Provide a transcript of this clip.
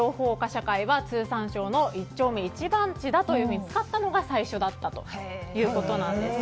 社会は通産省の一丁目一番地だというふうに使ったのが最初だったということなんです。